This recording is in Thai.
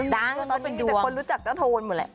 ดังตอนนี้แต่คนรู้จักจะโทนหมดละ